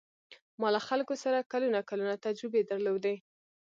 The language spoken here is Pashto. ما له خلکو سره کلونه کلونه تجربې درلودې.